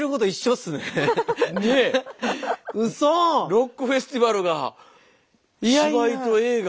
ロックフェスティバルが芝居と映画。